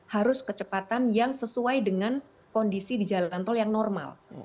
harus kecepatan yang sesuai dengan kondisi di jalan tol yang normal